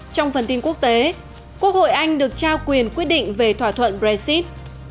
trong phần tin quốc tế quốc hội anh được trao quyền quyết định về thỏa thuận brexit